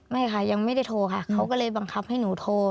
ไม่ค่ะยังไม่ได้โทรค่ะเขาก็เลยบังคับให้หนูโทร